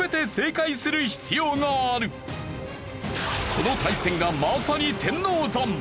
この対戦がまさに天王山！